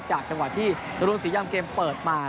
จังหวะที่รุนศรียำเกมเปิดมา